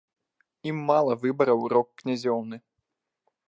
Ім мала выбараў рок-князёўны!